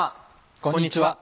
こんにちは。